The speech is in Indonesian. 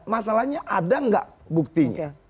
masalahnya ada nggak buktinya